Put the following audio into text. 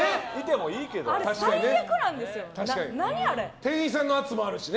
店員さんの圧もあるしね。